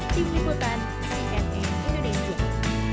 tim liputan seringate indonesia